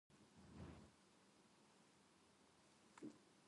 我思う故に我なし